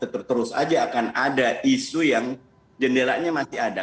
terus terus aja akan ada isu yang jendelanya masih ada